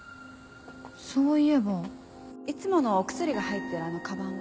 そういえばいつものお薬が入ってるあのカバンは？